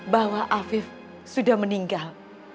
bahwa afif sudah meninggal